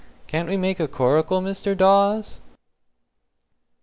Can't we make a coracle, Mr. Dawes?"